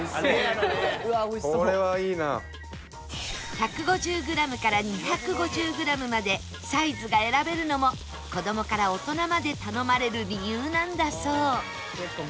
１５０グラムから２５０グラムまでサイズが選べるのも子供から大人まで頼まれる理由なんだそう